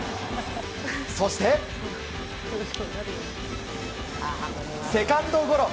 そして、セカンドゴロ。